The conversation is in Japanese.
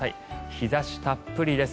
日差したっぷりです。